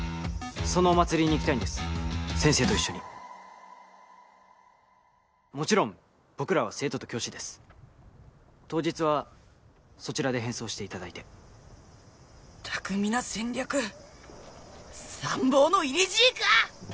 そのお祭りに行きたいんです先生と一緒にもちろん僕らは生徒と教師です当日はそちらで変装をしていただいて巧みな戦略参謀の入れ知恵か！